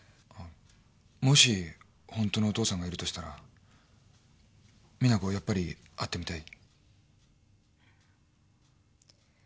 もし本当のお父さんがいるとしたら実那子やっぱり会ってみたい？